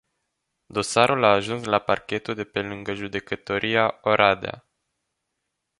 Dosarul a ajuns la parchetul de pe lângă judecătoria Oradea.